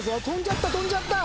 飛んじゃった！